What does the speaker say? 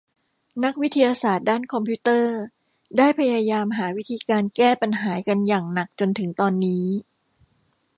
นักวิทยาศาสตร์ด้านคอมพิวเตอร์ได้พยายามหาวิธีการแก้ปัญหากันอย่างหนักจนถึงตอนนี้